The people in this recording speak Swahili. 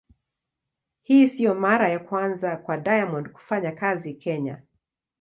Hii sio mara ya kwanza kwa Diamond kufanya kazi Kenya.